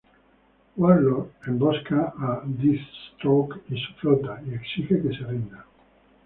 Warlord embosca a Deathstroke y su flota y exige que se rindan.